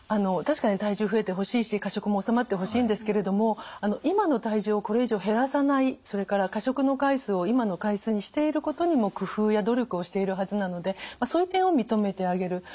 確かに体重増えてほしいし過食も治まってほしいんですけれども今の体重をこれ以上減らさないそれから過食の回数を今の回数にしていることにも工夫や努力をしているはずなのでそういう点を認めてあげる。